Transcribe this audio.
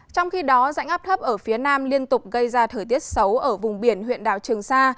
trong khi đó dạnh áp thấp ở phía nam liên tục gây ra thời tiết xấu ở vùng biển huyện đảo trường sa